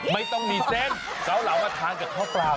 ไม่ต้องมีเส้นเกาเหลามาทานกับข้าวเปล่า